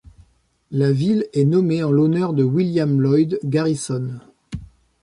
La ville est nommée en l'honneur de William Lloyd Garrison.